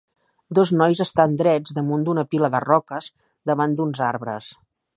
Dos nois estan drets damunt d'una pila de roques davant d'uns arbres.